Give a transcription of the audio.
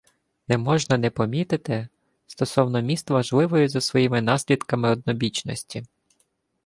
«Не можна не помітити… стосовно міст важливої за своїми наслідками однобічності: